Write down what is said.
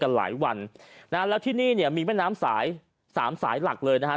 กันหลายวันนะและที่นี่เนี่ยมีแม่น้ำสาย๓สายหลักเดียวนะ